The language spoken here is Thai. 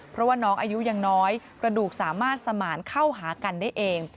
เพราะว่าน้องอายุยังน้อยกระดูกสามารถสมานเข้าหากันได้เอง